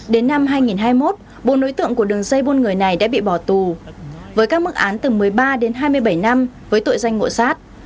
đến năm hai nghìn hai mươi một bốn nối tượng của đường dây buôn người này đã bị bỏ tù với các mức án từ một mươi ba đến hai mươi bảy năm với tội danh ngộ sát